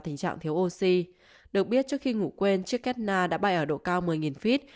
tình trạng thiếu oxy được biết trước khi ngủ quên chiếc ketna đã bay ở độ cao một mươi feet